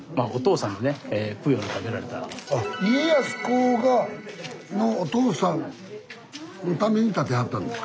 あ家康公がのお父さんのために建てはったんですか？